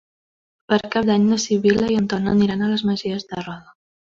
Per Cap d'Any na Sibil·la i en Ton aniran a les Masies de Roda.